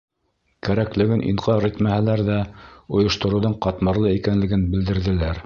Кәрәклеген инҡар итмәһәләр ҙә, ойоштороуҙың ҡатмарлы икәнлеген белдерҙеләр.